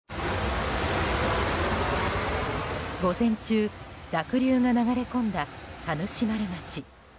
午前中、濁流が流れ込んだ田主丸町。